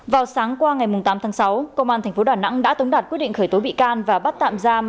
vào sáng qua ngày tám tháng sáu công an tp đà nẵng đã tống đạt quyết định khởi tố bị can và bắt tạm giam